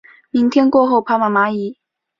明天过后爬满蚂蚁